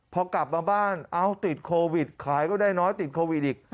พอกลับมาบ้านเอ้าติดโควิดขายก็ได้น้อยติดโควิดอีก